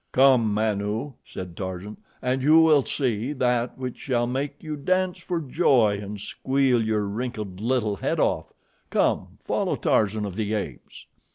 "Come, Manu," said Tarzan, "and you will see that which shall make you dance for joy and squeal your wrinkled little head off. Come, follow Tarzan of the Apes."